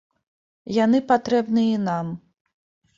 Яны патрэбныя і нам.